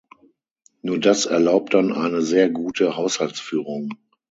Nur das erlaubt dann eine sehr gute Haushaltsführung.